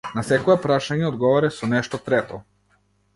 На секое прашање одговарај со нешто трето.